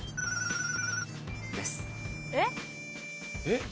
えっ？